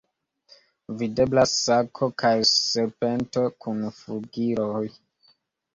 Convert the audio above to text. Videblas sako kaj serpento kun flugiloj.